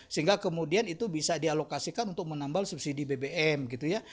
sehingga kemudian itu bisa dialokasikan untuk menambal subsidi bbm gitu ya